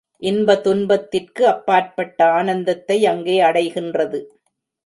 இன்ப துன்பத்திற்கு அப்பாற்பட்ட ஆனந்தத்தை அங்கே அடைகின்றது.